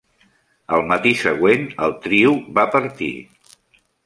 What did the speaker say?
Al matí següent el trio va partir.